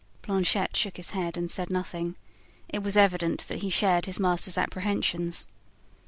Planchet shook his head and said nothing. It was evident that he shared his master's apprehensions.